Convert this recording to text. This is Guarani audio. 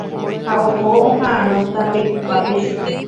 Ha oho oha'ãrõ tapeku'ápe chupe.